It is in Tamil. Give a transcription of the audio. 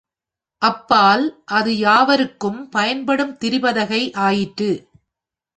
அப்பால் அது யாவருக்கும் பயன்படும் திரிபதகை ஆயிற்று.